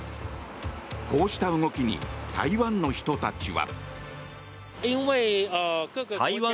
こうした動きに台湾の人たちは。